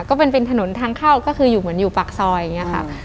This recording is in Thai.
ก็เป็นเป็นถนนทางเข้าก็คืออยู่เหมือนอยู่ปากซอยอย่างนี้ค่ะ